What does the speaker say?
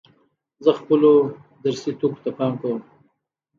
زه خپلو درسي توکو ته پام کوم.